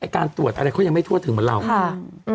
การตรวจอะไรเขายังไม่ทั่วถึงเหมือนเรา